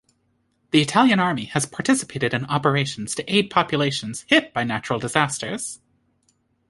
The Italian Army has participated in operations to aid populations hit by natural disasters.